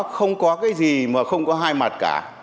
không có cái gì mà không có hai mặt cả